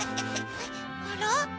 あら？